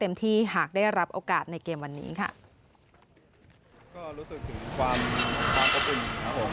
หากได้รับโอกาสในเกมวันนี้ค่ะก็รู้สึกถึงความความอบอุ่นครับผม